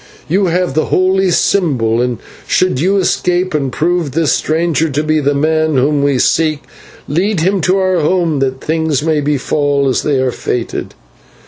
You have the holy symbol, and should you escape and prove this stranger to be the man whom we seek, lead him to our home that things may befall as they are fated."